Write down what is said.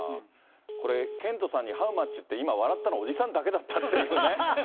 これ、ケントさんにハウマッチ？って今、笑ったのおじさんだけだったっていうね。